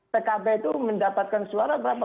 pkb itu mendapatkan suara berapa